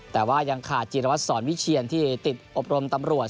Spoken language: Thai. แต่ว่ายังขาดจิรวัตรสอนวิเชียนที่ติดอบรมตำรวจ